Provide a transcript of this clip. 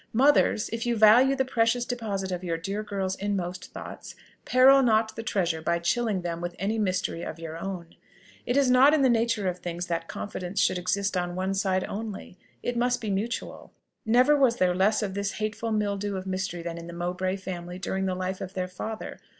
Mothers! if you value the precious deposit of your dear girls' inmost thoughts, peril not the treasure by chilling them with any mystery of your own! It is not in the nature of things that confidence should exist on one side only: it must be mutual. Never was there less of this hateful mildew of mystery than in the Mowbray family during the life of their father.